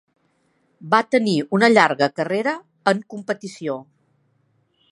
Va tenir una llarga carrera en competició.